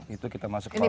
itu kita masuk ke palmatak